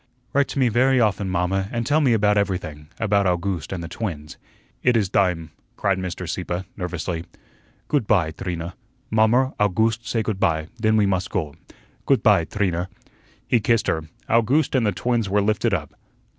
"Write to me very often, mamma, and tell me about everything about August and the twins." "It is dime," cried Mr. Sieppe, nervously. "Goot py, Trina. Mommer, Owgooste, say goot py, den we must go. Goot py, Trina." He kissed her. Owgooste and the twins were lifted up.